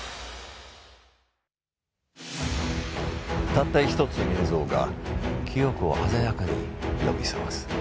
たった１つの映像が記憶を鮮やかに呼び覚ます。